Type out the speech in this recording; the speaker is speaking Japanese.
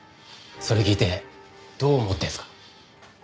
それ聞いてどう思ってるんすか？